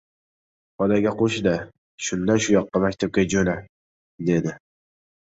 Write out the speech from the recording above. — Podaga qo‘sh-da, shundan shuyoqqa maktabga jo‘na! — dedi.